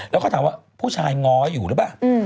แล้วก็ถามว่าผู้ชายง้ออยู่หรือเปล่า